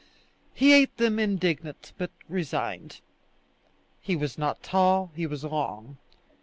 He ate them indignant, but resigned. He was not tall he was long.